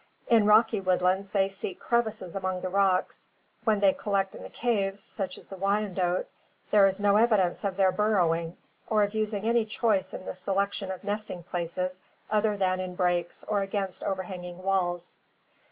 In rocky woodlands they seek crevices among the rocks. When they collect in the caves, such as the Wyandotte, there is no evidence of their burrowing or of using any choice in the selec tion of nesting places other than in breaks or against overhanging walls.